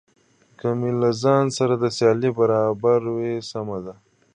که مې له ځان سره د سیالۍ برابر وي سمه ده.